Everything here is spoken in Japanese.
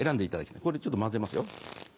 これちょっと交ぜますよ。